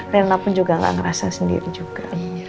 rena pun juga gak ngerasa sendiri juga